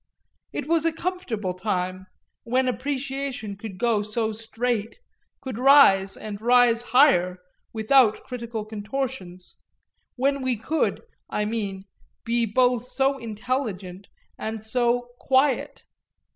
It was a comfortable time when appreciation could go so straight, could rise, and rise higher, without critical contortions; when we could, I mean, be both so intelligent and so "quiet."